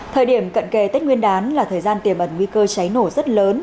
thời điểm cận kề tết nguyên đán là thời gian tiềm ẩn nguy cơ cháy nổ rất lớn